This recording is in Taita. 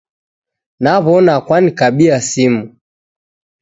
Naw'ona Kwanikabia simu?